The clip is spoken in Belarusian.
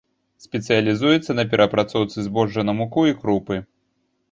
Спецыялізуецца на перапрацоўцы збожжа на муку і крупы.